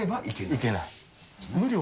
いけない。